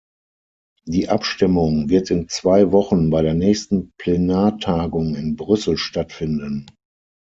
Die Abstimmung wird in zwei Wochen bei der nächsten Plenartagung in Brüssel stattfinden.